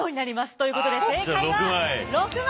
ということで正解は６枚！